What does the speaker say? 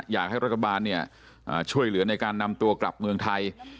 อยากให้รัฐบาลช่วยเหลือในการนำตัวกลับเมืองไทย